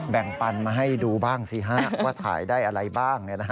แบ่งปันมาให้ดูบ้างสิฮะว่าถ่ายได้อะไรบ้าง